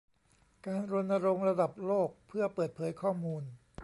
การรณรงค์ระดับโลกเพื่อเปิดเผยข้อมูล